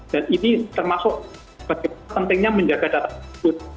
dan ini termasuk pentingnya menjaga data tersebut